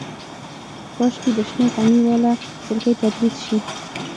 کاشکې د شنه غمي واله جلکۍ تدریس شي.